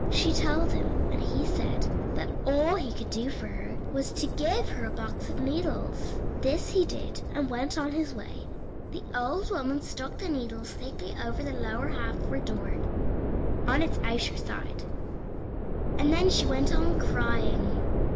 She told him, and he said that all he could do for her was to give her a box of needles. This he did, and went on his way. The old woman stuck the needles thickly over the lower half of her door, on its outer side, and then she went on crying.